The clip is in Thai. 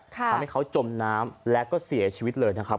ทำให้เขาจมน้ำและก็เสียชีวิตเลยนะครับ